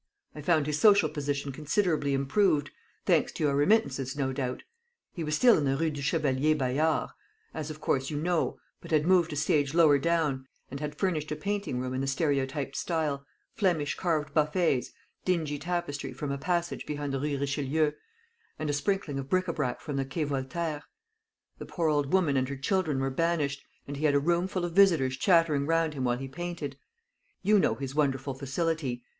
I found his social position considerably improved; thanks to your remittances, no doubt. He was still in the Rue du Chevalier Bayard as, of course, you know but had moved a stage lower down, and had furnished a painting room in the stereotyped style Flemish carved buffets, dingy tapestry from a passage behind the Rue Richelieu, and a sprinkling of bric a brac from the Quai Voltaire. The poor little woman and her children were banished; and he had a room full of visitors chattering round him while he painted. You know his wonderful facility.